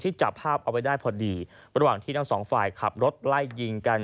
จับภาพเอาไว้ได้พอดีระหว่างที่ทั้งสองฝ่ายขับรถไล่ยิงกัน